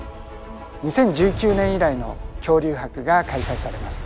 ２０１９年以来の恐竜博が開催されます。